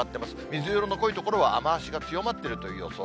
水色の濃い所は雨足が強まっているという予想。